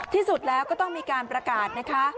ที่สุดแล้วก็ต้องมีการประกาศนะคะ